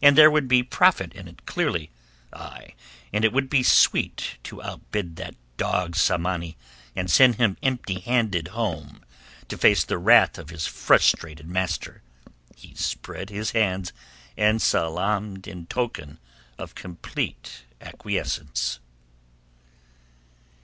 And there would be profit in it, clearly—ay, and it would be sweet to outbid that dog Tsamanni and send him empty handed home to face the wrath of his frustrated master. He spread his hands and salaamed in token of complete acquiescence.